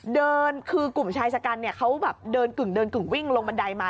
เดินคือกลุ่มชายชะกันเนี่ยเขาแบบเดินกึ่งเดินกึ่งวิ่งลงบันไดมา